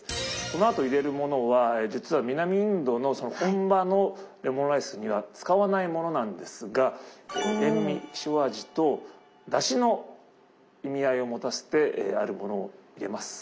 このあと入れるものは実は南インドの本場のレモンライスには使わないものなんですが塩み塩味とだしの意味合いを持たせてあるものを入れます。